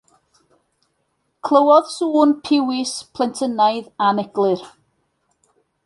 Clywodd sŵn piwis, plentynnaidd, aneglur.